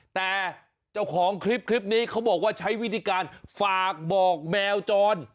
แต่เจ้าของคลิปนี้เขาบอกว่าใช้วิธีการฝากบอกแมวจร